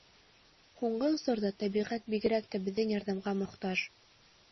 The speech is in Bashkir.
Һуңғы осорҙа тәбиғәт бигерәк тә беҙҙең ярҙамға мохтаж.